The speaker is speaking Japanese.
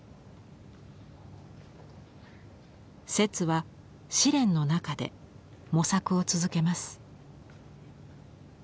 摂は試練の中で模索を続けます。